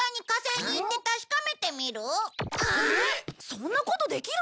そんなことできるの？